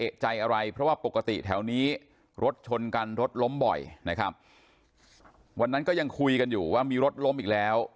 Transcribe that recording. การรถล้มบ่อยนะครับวันนั้นก็ยังคุยกันอยู่ว่ามีรถล้มอีกแล้ว